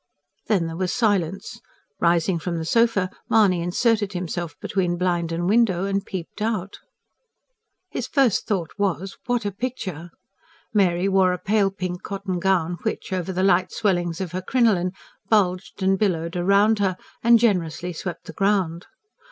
Then there was silence. Rising from the sofa, Mahony inserted himself between blind and window, and peeped out. His first thought was: what a picture! Mary wore a pale pink cotton gown which, over the light swellings of her crinoline, bulged and billowed round her, and generously swept the ground.